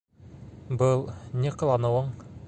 Был... ни ҡыланыуың?!